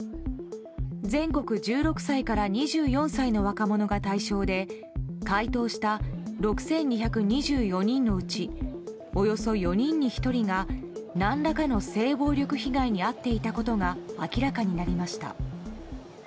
全国１６歳から２４歳の若者が対象で回答した６２２４人のうちおよそ４人に１人が何らかの性暴力被害に遭っていたことが明らかになりました。